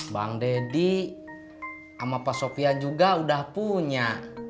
bang deddy sama pak sofia juga udah punya